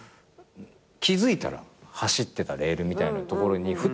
気付いたら走ってたレールみたいな所にふと２０代。